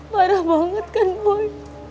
parah banget kan boy